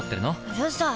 うるさい！